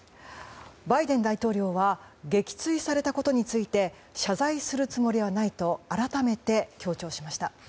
バイデン大統領は撃墜されたことに対して謝罪するつもりはないと改めて強調しました。